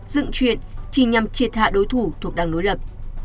dựng chuyện chỉ nhằm triệt hạ đối thủ thuộc đảng đối lập